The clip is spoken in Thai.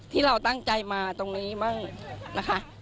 ที่เราตั้งใจมาตรงนี้บ้างนะคะ